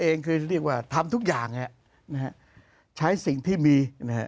ตัวเองคือเรียกว่าทำทุกอย่างใช้สิ่งที่มี